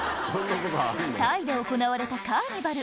タイで行われたカーニバル